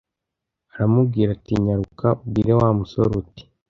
aramubwira ati nyaruka ubwire uwo musore uti